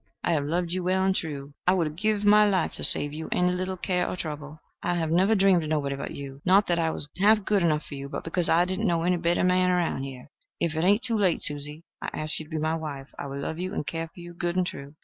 I have loved you well and true: I would have give my life to save you any little care or trouble. I never dreamed of nobody but you not that I was half good enough for you, but because I did not know any better man around here. Ef it ain't too late, Susie, I ask you to be my wife. I will love you and care for you, good and true."